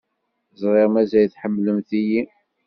Ẓriɣ mazal tḥemmlemt-iyi.